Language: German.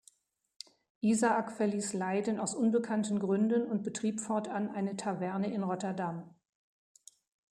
Isaac verließ Leiden aus unbekannten Gründen und betrieb fortan eine Taverne in Rotterdam.